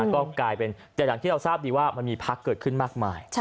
ก็กลายเป็นแต่อย่างที่เราทราบดีว่ามันมีพักเกิดขึ้นมากมาย